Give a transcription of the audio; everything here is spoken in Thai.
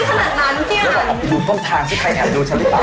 ออกไปดูต้มทางที่ใครแอบดูฉันหรือเปล่า